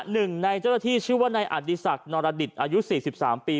๑ในเจ้าหน้าที่ชื่อว่าในอดิษัทนรดิษฐ์อายุ๔๓ปี